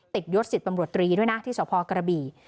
ติดยศจิตปำรวจตรีด้วยนะที่สหพากรบี